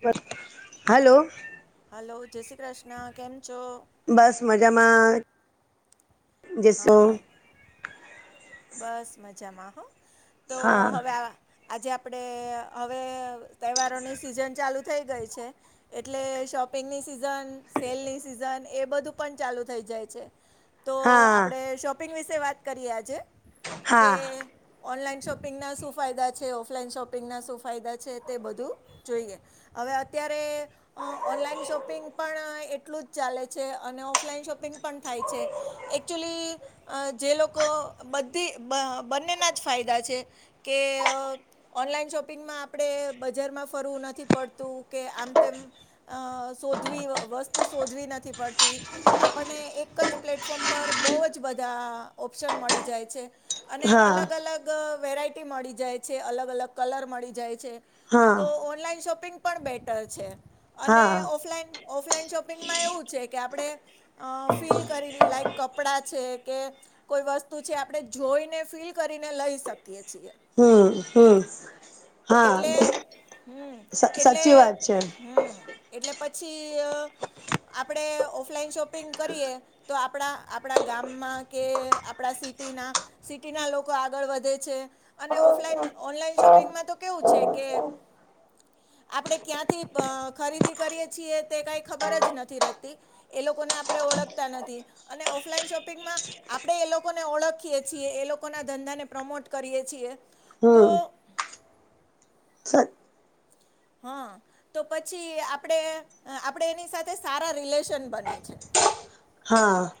[unintelligible] હાલો hello જેસી ક્ર્ષના કેમ છો બસ મજામાં જેસો હા બસ મજામાં હો તો હા હવે આવા આજે આપણે હવે તહેવારોની સિઝન ચાલું થઈ ગઈ છે. એટલે શોપિંગની સિઝન સેલની સિઝન એ બધું પન ચાલું થઈ જાય છે. તો હા આપણે શોપિંગ વિશે વાત કરીએ આજે કે હા ઓનલાઈન શોપિંગના શું ફાયદા છે ઓફલાઈન શોપિંગના શું ફાયદા છે તે બધું જોઈએ. હવે અત્યારે અ ઓનલાઈન શોપિંગ પણ એટલું જ ચાલે છે અને ઓફલાઈન શોપિંગ પન થાય છે એકચુલી અ જે લોકો બધી બ બંનેના જ ફાયદા છે કે અ ઓનલાઈન શોપિંગમાં આપણે બજારમાં ફરવું નથી પડતું કે આમ તેમ અ શોધવી વ વસ્તું શોધવી નથી પડતી આપણને એક જ પ્લેટફોર્મ પર બોવ જ બધાં ઓપ્શન મળી જાય છે અને હા અલગ અલગ ગ વેરાયટી મળી જાય છે અલગ અલગ કલર મળી જાય છે તો હા ઓનલાઈન શોપિંગ પણ બેટર છે અને હા ઓફલાઈન ઓફલાઈન શોપિંગમાં એવું છે કે આપણે અ ફીલ કરીને લાઈક કપડાં છે કે કોઈ વસ્ તું છે આપણે જોઈને ફીલ કરીને લઈ શકીએ છીએ. હુ-હુ એટલે હુ એટલે સાચી વાત છે હુ એટલે પછી અ આપણે ઓફલાઈન શોપિંગ કરીએ તો આપણા આપણા ગામમાં કે આપણા સિટીના સિટીના લોકો આગળ વધે છે અને ઓફલાઈન ઓનલાઈન શોપિંગમાં તો કેવું છે કે આપણે ક્યાંથી અ ખરીદી કરીએ છીએ તે કાંઈ ખબર જ નથી રહેતી. એ લોકોને આપણે ઓળખતા નથી. અને ઓફલાઈન શોપિંગમાં આપડે એ લોકોને ઓળખીએ છીએ. એ લોકોના ધંધાને પ્રમોટ કરીએ છીએ. તો હમ. હ તો પછી આપડે આપડે એની સાથે સારા રિલેશન બને છે. હા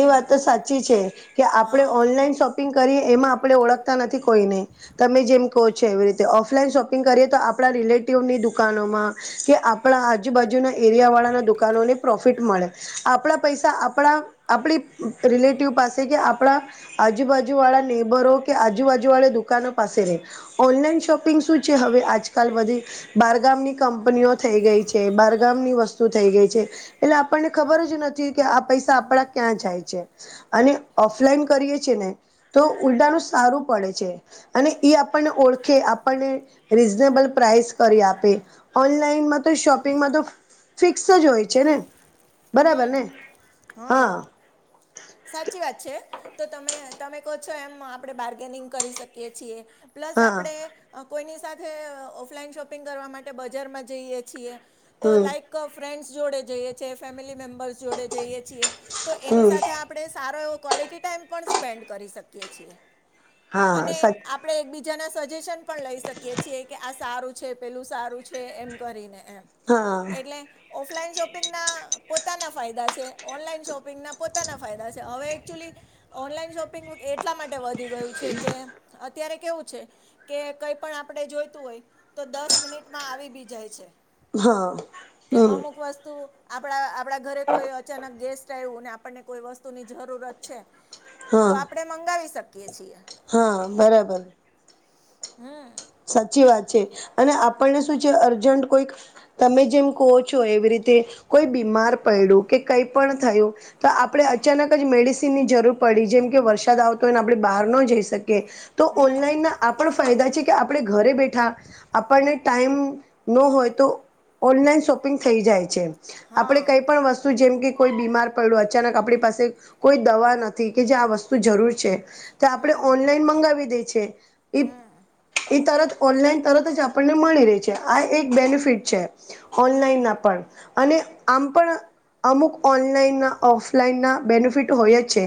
એ વાત તો સાચી છે. કે આપણે હા ઓનલાઈન શો પિંગ કરીએ એમાં આપણે ઓળખતા નથી કોઈને તમે જેમ કહો છો એવી રીતે ઓફલાઈન શોપિંગ કરીએ તો આપણા રિલેટિવની દુકાનોમાં કે આપણા આજુબાજુના એરિયા વાળાના દુકાનોને પ્રોફિટ મળે આપણા પૈસા આપણા આપણી રિલેટિવ પાસે કે આપણા આજુબાજુ વાળા નેબરો કે આજુબાજુ વાળા દુકાનો પાસે રે ઓનલાઈન શોપિંગ શું છે, હવે આજકાલ બધી બારગામની કંપનીઓ થઈ ગઈ છે, બારગામની વસ્તુ થઈ ગઈ છે, એટલે આપણને ખબર જ નથી. કે આ પૈસા આપડા ક્યાં જાય છે, અને ઓફલાઈન કરીએ છે, ને તો ઊલટાનું સારું પડે છે. અને એ આપણને ઓળખે આપણને રિઝનેબલ પ્રાઇસ કરી આપે ઓનલાઈનમાં તો શોપિંગમાં તો ફિક્સ જ હોય છે, ને બરાબર ને હા હ. સાચી વાત છે, તો તમે તમે કહો છો એમ આપડે બાર્ગેનિંગ કરી શકીએ છીએ. પ્લસ હા આપણે કોઈની સાથે ઓફલાઈન શોપિંગ કરવા માટે બજારમાં જઈએ છીએ. તો હમ લાઈક ફ્રેન્ડ્સ જોડે જઈએ છે, એ ફેમિલી મેમ્બર્સ જોડે જઈએ છીએ તો એની હમ સાથે આ આપડે સારો એવો ક્વોલિટી ટાઈમ પણ સ્પેન્ડ કરી શકીએ છીએ હા અને સચ આ પણે એકબીજાના સજેશન પણ લઈ શકીએ છીએ કે આ સારું છે, પેલું સારું છે, એમ કરીને એમ હા એટલે ઓફલાઈન શોપિંગના પોતાના ફાયદા છે, ઓનલાઈન શોપિંગના પોતાના ફાયદા છે, હવે એકચુલી ઓનલાઈન શોપિંગ એટલા માટે વધી ગયું છે, કે અત્યારે કેવું છે. કે કય પણ આપણે જોઈતું હોય તો મિનિટમાં આવી બી જાય છે. હા કે હમ અમુક વસ્તુ આપણા આપડા ઘરે કોઈ અચાનક ગેસ્ટ આયવુ ને આ કોઈ વસ્તુની જરૂરત છે, તો હા આપણે મંગાવી શકીયે છીએ. હા બરાબર. હમ્મ. સાચી વાત છે, અને આપણને શું છે, અર્જન્ટ કોઈક તમે જેમ કહો છો એવી રીતે કોઈ બીમાર પડ્યું કે કઈ પણ થયું તો આપણે અચાનક જ મેડિસીનની જરૂર પડી જેમ કે વરસાદ આવતો હોયને આપણે બાર ન જઈ શક તો હમ ઓનલાન ના આપ ફાયદા છે, કે આપણે ઘરે બેઠા આપને ટા મ ન હોય તો ઓનલાઇન શોપિંગ થઈ જાય છે. આપણે હા કઈ પણ વસ તુ જેમ કે કોઈ બીમાર પયદુ અચાનક આપણી પાસે કોઈ દવા નથી કે જે આ વસ્તુ જરૂર છે. તો આપણેે ઓનલાઈન મંગાવી દે છે. એ એ તરત ઓનલાઈન તરત જ આપણને મળી રહી છે, આ એક બેનિફિટ છે. હમ ઓનલાઈનના પણ અને આમ પણ અમુક ઓનલાઈનના ઓફલાઈનના બેનિફિટ હોય જ છે.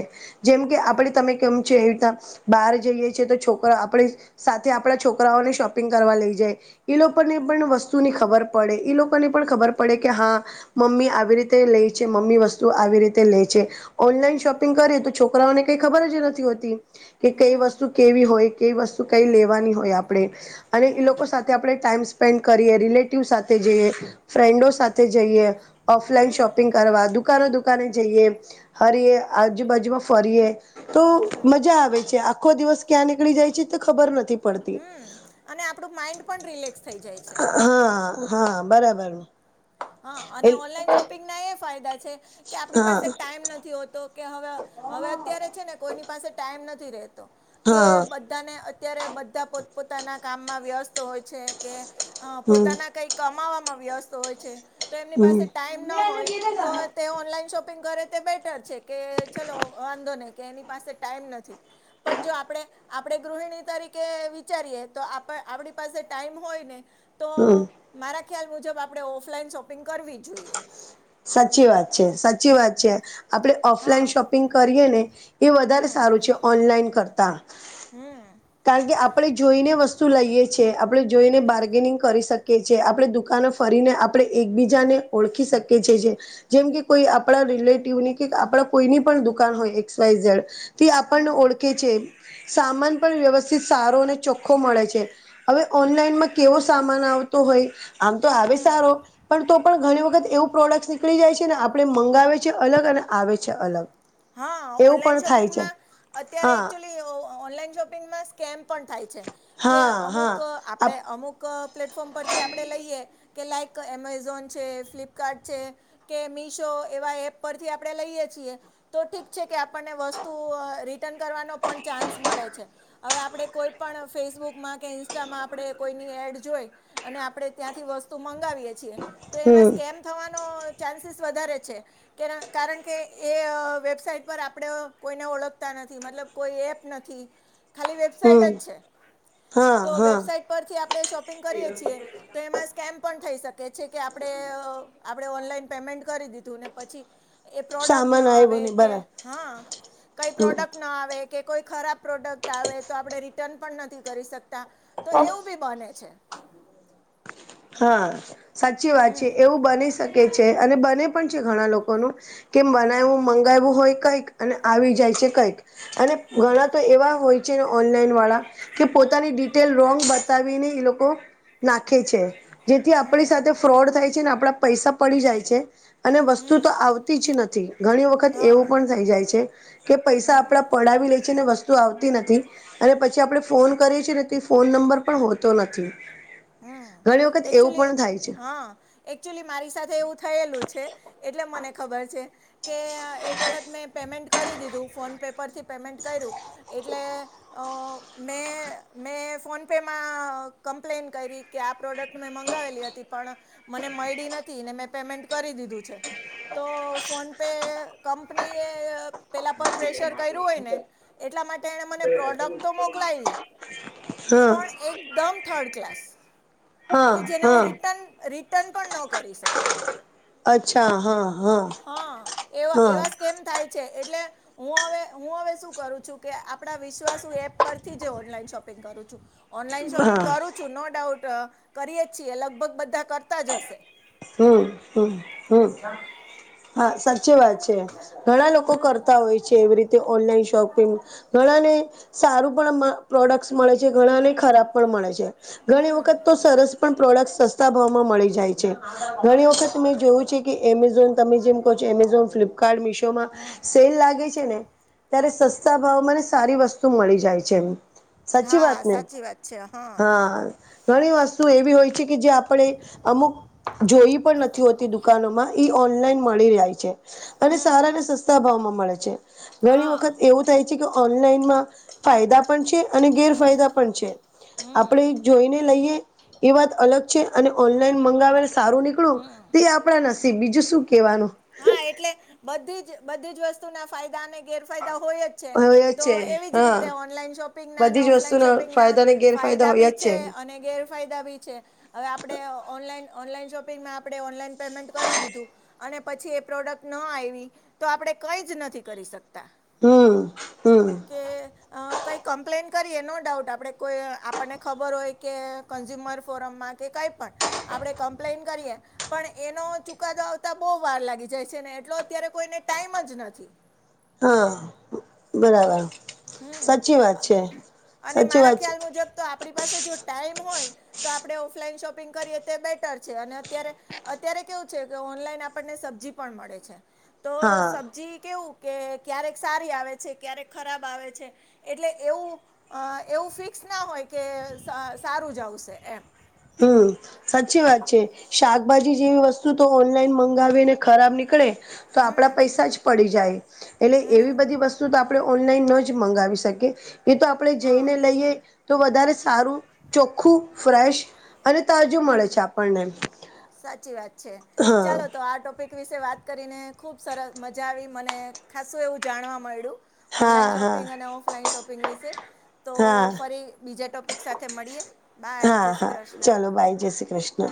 જેમ કે હમ આપણે તમે કેમ છે, એવી રીતના બહાર જઈએ છે, તો છોકરો આપણે સા થે આપણા છોકરાઓને શોપિંગ કરવા લેય જાય એ લોકોને પણ વસ્તુની ખબર પડે એ લોકોને પણ ખબર પડે કે હા મમ્મી આવી રીતે લઈ છે મમ્મી વસ્તુ આવી રીતે લે છે ઓનલાઈન શોપિંગ કરી તો છોકરાઓને કઈ ખબર જ નથી હોતી. કે કઈ હમ વસ્તુ કેવી હોય કઈ વસ્તુ કઈ લેવાની હોય. આપણે અને એ હમ લોકો સાથે આપણે ટાઈમ સ્પેન્ડ કરીએ રિલેટિવ સાથે જઈએ ફ્રેન્ડો સાથે જઈએ ઓફલાઈન શોપિંગ કરવા દુકાનો દુકાને જઈએ હરીએ આજુબાજુમાં ફરીએ તો મજા આવે છે આખો દિવસ ક્યાં નીકળી જાય છે તો ખબર નથી. પડતી હમ્મ અને આપનું માઈન્ડ રિલેક્સ થઈ જાય છે. હ હા બરાબર. હા અને એ ઓનલાઈન શોપિંગના એ ફાયદા છે કે આપણી હા પાસે ટાઈમ નથી હોતો કે હવે હવે અત્યારે છે ને કોઈની પાસે ટાઈમ નથી રેતો કે હા બધાને અત્યારે બધા પોત પોતાના કામમાં વ્યસ્ત હોય છે કે હમ પોતાના કંઈક કમાવામાં વ્યસ્ત હોય છે તો એમની હમ પાસે ટાઈમ ન હોય તો તે ઓનલાઈન શોપિંગ કરે તે બેટર છે કે ચલો વાંધો નહીં કે એની પાસે ટાઈમ નથી. તે પણ જો આપણે આપણે ગૃહિણી તરીકે વિચારીએ તો આપણી પાસે ટાઈમ હોય ને તો હમ મારા ખ્યાલ મુજબ આપણે ઓફલાઈન શોપિંગ કરવી જોઈએ. સાચી વાત છે સાચી વાત છે આપડે હા ઓફલાઈન શોપિંગ કરીએ ને એ વધારે હમ સારું છે ઓનલાઈન કરતાં હમ કારણ કે આપણેે જોઈને વસ્તુ લઈએ. આપણે જોઈને બારગેનિંગ કરી શકીએ. કે છે આપણે દુકાનો ફરીને આપણે એકબીજાને ઓળખી શકીએ. [unintelligible] જેમ કે કોઈ આપણા રિલેટિવની કે આપણા કોઈની પણ દુકાન હોય એક્સ વાય ઝેડ થી આપણને હમ ઓળખે સામાન પણ વ્યવસ્થિત સારો ચોખ્ખો મળે છે. હવે ઓનલાઈનમાં કેવો સામાન આવતો હોય. આમ તો આવે હમ સારો પણ તો પણ ઘણી વખત એવું. પ્રોડક્ટ નીકળી જાય છે ને આપણે મંગાવે છે અલગ અને આવે છે અલગ. હા એવું ઓનલાઈન પણ થાય છે શોપિંગમાં અત્યારે હા એકક્ચુલી ઓનલાઈન શોપિંગમાં સ્કેમ પણ થાય છે કે હા હા અમુક આપ આપણે અમુક પ્લેટફોર્મ પરથી આપણે લઈએ કે લાઈક એમેઝોન છે ફ્લિપકાર્ટ છે. કે મીશો એવા એપ પરથી આપણે લઈએ છીએ. તો ઠીક છે કે આપણને વસ્તુ રિટર્ન કરવાનો પણ ચાન્સ મળે છે. હવે આપણે કોઈ પણ ફેસબુકમાં કે ઇન્સ્ટામાં આપણે કોઈની એઇડ જોઈ અને આપણે ત્યાંથી વસ્તુ મંગાવીએ છીએ તો એમાં હમ સ્કેમ થવાનો ચાન્સીસ વધારે છે કે કારણ કે એ વેબસાઇટ પર આપણેે કોઈને ઓળખતા નથી મતલબ કોઈ એપ નથી. ખાલી હમ વેબસાઇટ જ છે હા તો હા વેબસાઈટ પરથી આપણે શોપિંગ કરીએ છીએ. તો એમાં સ્કેમ પણ થઈ શકે છે કે આપણે આપણે ઓનલાઈન પેમેન્ટ કરી દીધું ને પછી. એ પ્રોડક્ટ ન સામાન આવ્યો આવે ને કે બરાબર હા કઈ હમ પ્રોડક્ટ ન આવે કે કોઈ ખરાબ પ્રોડક્ટ આવે તો આપણે રિટર્ન પણ નથી કરી શકતા તો એવું બી બને છે. હા સાચી વાત છે એવું બની શકે છે અને બને પણ છે ઘણા લોકોનું. કેમ મંગાવયુ હોય કઈક અને આવી જાય છે કઈક હમ તો એવા હોય ઓનલાઈન વાળા કે પોતાની ડિટેલ રોંગ બતાવીને એ લોકો નાખે છે જેથી આપણી હમ સાથે ફ્રોડ થાય છે ને આપડા પૈસા પડી જાય છે. અને વસ્તુ હમ તો આવતી જ નથી ઘણી વખત હા એવું પણ થઈ જાય છે કે પૈસા હમ આપણા પડાવી લે છે ને વસ્તુ આવતી નથી. અને પછી આપણે ફોન કરીએ છીએ ને તે ફોન નંબર પણ હોતો નથી. હમ્મ ઘણી વખત એવું એકચ્યુઅલી પણ થાય છે. હા. એકચ્યુઅલી મારી સાથે એવું થયેલું છે એટલે મને ખબર છે. કે એક વખત મેં પેમેન્ટ કરી દીધું ફોન પે પરથી પેમેન્ટ કર્યું. એટલે અ મેં મેં ફોનપેમાં અ કમ્પ્લેન કયરી કે આ પ્રોડક્ટ મેં મંગાવેલી હતી પણ મને મયળી નથી ને મેં પેમેન્ટ કરી દીધું છે. તો ફોન પે કંપનીએ પેલા પર પ્રેશર કર્યું હોય ને એટલા માટે એણે મને પ્રોડક્ટ તો મોકલાયવી હ એકદમ થર્ડ ક્લાસ હા કે જેને હું હા રિટર્ન રિટર્ન પણ ન કરી શકું. અચ્છા હા હા હ એવા હા એવા સ્કેમ થાય છે એટલે હું હવે હું હવે શું કરું છું કે આપણા વિશ્વાસુ એપ પરથી જે ઓનલાઈન શોપિંગ કરું છું. ઓનલાઈન શોપિંગ હા કરું છું નો ડાઉટ કરીએ જ છીએ લગભગ બધા કરતાં જ હશે. હમ્મ હમ્મ હમ્મ હા સાચી વાત છે. ઘણા લોકો કરતા હોય છે એવી રીતે ઓનલાઈન શોપિંગ ઘણાને સારું પણ મ પ્રોડક્ટસ મળે છે ઘણાને ખરાબ પણ મળે છે. ઘણી વખત તો સરસ પણ પ્રોડક્ટ સસ્તા ભાવમાં મળી જાય છે. ઘણી વખત મે જોયું છે કે એમેઝોન તમે જેમ કહો છો એમેઝોન ફ્લિપ કાર્ડ મીશોમાં હમ સેલ લાગે છે ને ત્યારે સસ્તા ભાવમાં સારી વસ [unintelligible] મળી જાય છે સાચી હા વાતને સાચી વાત છે હા હાં. ઘણી વસ્તુ એવી હોય છે કે જે આપણે અમુક જોઈ પણ નથી હોતી દુકાનોમાં ઈ ઓનલાઈન મળી જાય છે અને હમ સારા ને સસ તા ભાવમાં મળે છે ઘણી હા વખત એવું થાય છે કે ઓનલાઈનમાં ફાયદા પણ છે અને ગેરફાયદા પણ છે હમ હમ આપણે જોઈને લઈએ તે વાત અલગ છે અને ઓનલાઈન મંગાવેલ સારું નીકળું તે તે આપણા નસીબ બીજું શું કેહેવાનું. હા એટલે બધીજ બધી જ વસ્તુ ના ફાયદા અને ગેરફાયદા હોય જ છે હોય જ તો છે એવી જ હા રીતે ઓનલાઈન શોપિંગના અને બધી જ ઓફલાઈન વસ્તુના શોપિંગના ફાયદા અને ગેરફાયદા ફાયદા હોય બી જ છે અને ગેરફાયદા બી છે. હવે આપડે ઓનલાઈન ઓનલાઈન શોપિંગમાં આપડે ઓનલાઈન પેમેન્ટ કરી દીધું અને પછી એ પ્રોડક્ટ ન આયવી તો આપણે કંઈજ નથી કરી શકતા. હમ્મ હમ્મ. કે અ કંઈ કમ્પ્લેન કરીએ નો ડાઉટ આપણે કોઈ આપણને ખબર હોય કે કન્ઝ્યુમર ફોરમમાં કે કાઈ પણ આપડે કમ્પ્લેન કરીએ પણ એનો ચુકાદો આવતા બો વાર લાગી જાય છે ને એટલો અત્યારે કોઈને ટાઈમ જ નથી. હ બરાબર. હમ્મ સાચી વાત છે અને સાચી મારા વાત છે ખ્યાલ મુજબ તો આપણી પાસે જો ટાઈમ હોય તો આપડણે ઓફલાઈન શોપિંગ કરીએ તે બેટર છે અને અત્યારે અત્યારે કેવું છે કે ઓનલાઈન આપણને સબ્જી પણ મળે છે. તો હા સબ્જી કેવું કે ક્યારેક સારી આવે છે ક્યારેક ખરાબ આવે છે એટલે એવું, અ એવું ફિક્સ ના હોય કે સ સારું જાવશે એમ, હમ સાચી વાત છે. શાકભાજી જેવી વસ્તુ તો ઓનલાઈન મંગાવીને ખરાબ નીકળે, તો હમ આપડા પૈસા જ પડી જાય, એટલે હમ એવી બધી વસ્તુ તો આપ આપ ઓનલાઈન ન જ મંગાવી શકીએ એ તો આપણે હા જઈને લઈએ, તો વધારે સારું, ચોખ્ખું, ફ્રેશ અને તાજું મળે હમ છે આપણને, સાચી વાત છે હા ચાલો તો આ ટોપિક વિશે વાત કરીને ખુબ સર મજા આવી મને ખાસું એવું જાણવા મળ્યું. હા ઓનલાઈન હા શોપિંગ અને ઓફલાઈન શોપિંગ વિશે. તો હા ફરી બીજા ટોપિક સાથે મળીએ બાય જય હા શ્રી હા કૃષ્ણ. ચાલો બાય જય શ્રી કૃષ્ણ